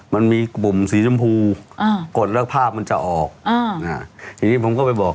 มันมีปุ่มสีชมพูอืมกดแล้วภาพมันจะออกอืมอ่าอย่างนี้ผมก็ไปบอก